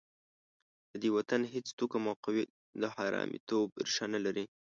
د دې وطن هېڅ توکم او قوم د حرامیتوب ریښه نه لري.